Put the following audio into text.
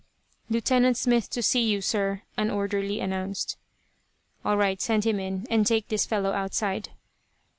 "Lieutenant Smith to see you, sir," an orderly announced. "All right. Send him in; and take this fellow outside."